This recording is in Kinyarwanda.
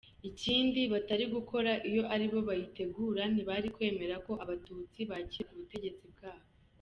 Ikindi batari gukora iyo aribo bayitegura, ntibari kwemera ko abatutsi bakira ku butegetsi bwabo.